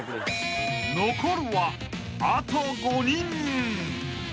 ［残るはあと５人］